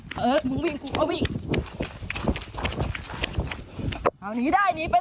โอ้โหลูกสาวเจ้าขายไก่สดด้วยมอบลงไปเดี๋ยวนี้ไปไหน